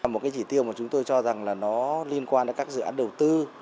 một cái chỉ tiêu mà chúng tôi cho rằng là nó liên quan đến các dự án đầu tư